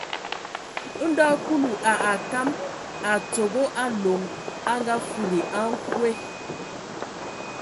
Ndo Kulu a akam a tsogo Aloŋ a ngafudi a nkwe.